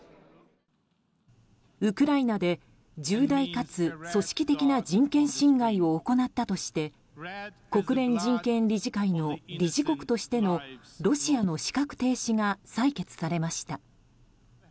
ウクライナで重大かつ組織的な人権侵害を行ったとして国連人権理事会の理事国としてのロシアの資格停止が採決されました。